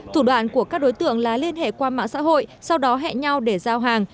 thủ đoạn của các đối tượng là liên hệ qua mạng xã hội sau đó hẹn nhau để giao hàng